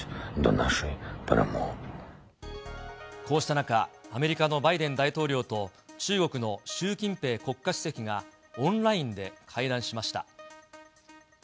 こうした中、アメリカのバイデン大統領と、中国の習近平国家主席が、オンラインで会談しました。